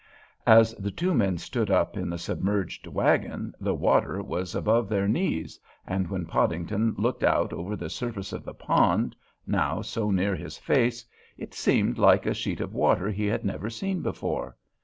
As the two men stood up in the submerged wagon the water was above their knees, and when Podington looked out over the surface of the pond, now so near his face, it seemed like a sheet of water he had never seen before.